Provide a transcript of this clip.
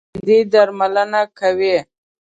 پیاز د معدې درملنه کوي